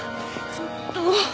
ちょっと。